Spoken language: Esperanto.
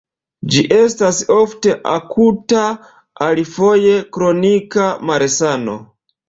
Ĝi estas ofte akuta, alifoje kronika malsano.